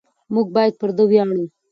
موږ باید پر ده وویاړو.